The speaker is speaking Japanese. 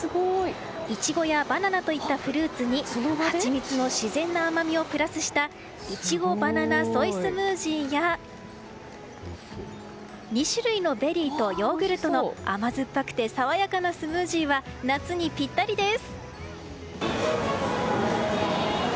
イチゴやバナナといったフルーツにハチミツの自然な甘みをプラスしたいちごバナナソイスムージーや２種類のベリーとヨーグルトの甘酸っぱくて爽やかなスムージーは夏にぴったりです。